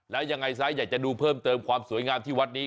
แล้วยังไงซะอยากจะดูเพิ่มเติมความสวยงามที่วัดนี้